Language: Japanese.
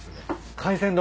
海鮮丼。